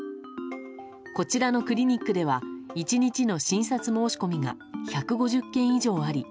こちらのクリニックでは１日の診察申し込みが１５０件以上あり